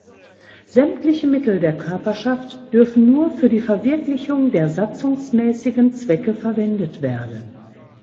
Sämtliche Mittel der Körperschaft dürfen nur für die Verwirklichung der satzungsmäßigen Zwecke verwendet werden.